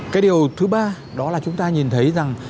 cái điều thứ ba đó là chúng ta nhìn thấy rằng